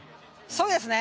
そうですね。